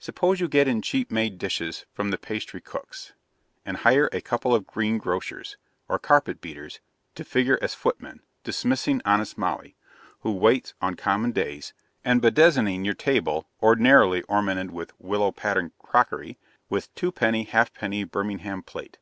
Suppose you get in cheap made dishes from the pastrycook's, and hire a couple of greengrocers, or carpet beaters, to figure as footmen, dismissing honest Molly, who waits on common days, and bedizening your table (ordinarily ornamented with willow pattern crockery) with twopenny halfpenny Birmingham plate.